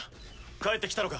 帰って来たのか？